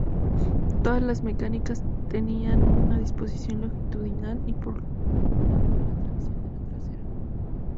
Todas las mecánicas tenían una disposición longitudinal y por tanto la tracción era trasera.